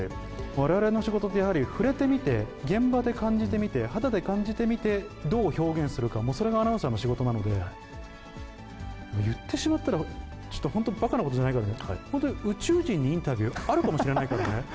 われわれの仕事って、やはり触れてみて、現場で感じてみて、肌で感じてみてどう表現するか、もう言ってしまったら、ちょっと本当、ばかなことじゃないからね、本当に宇宙人にインタビュー、あるかもしれないからね。